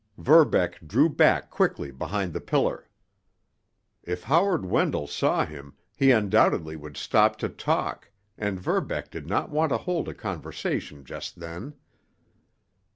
Verbeck drew back quickly behind the pillar. If Howard Wendell saw him, he undoubtedly would stop to talk, and Verbeck did not want to hold a conversation just then.